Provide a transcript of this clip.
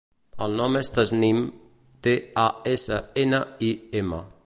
El nom és Tasnim: te, a, essa, ena, i, ema.